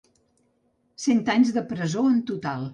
Cent anys de presó en total.